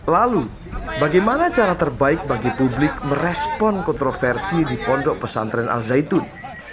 lalu bagaimana cara terbaik bagi publik merespon kontroversi di pondok pesantren al zaitun